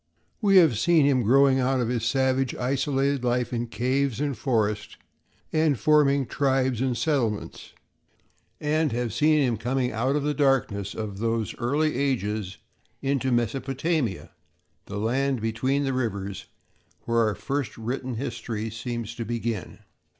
We have seen him growing out of his savage isolated life in caves and forests and forming tribes and settlements, and have seen him coming out of the darkness of those early ages into Mesopotamia, the Land Between the Rivers, where our first written history seems to begin.